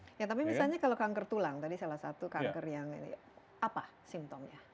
ya tapi misalnya kalau kanker tulang tadi salah satu kanker yang ini apa simptomnya